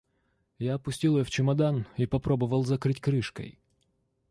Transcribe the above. Я опустил ее в чемодан и попробовал закрыть крышкой.